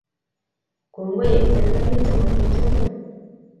Kongoi eng serkali amu kitoben